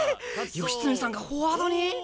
義経さんがフォワードに！？